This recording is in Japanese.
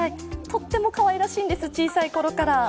とってもかわいらしいんです小さいころから。